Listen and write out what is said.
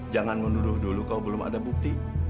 jangan menuduh dulu kau belum ada bukti